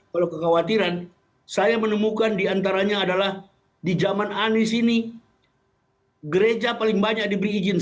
kalau kekhawatiran saya menemukan diantaranya adalah di zaman anies ini gereja paling banyak diberi izin